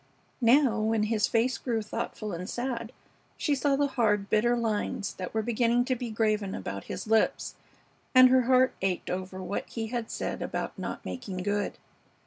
Now, when his face grew thoughtful and sad, she saw the hard, bitter lines that were beginning to be graven about his lips, and her heart ached over what he had said about not making good.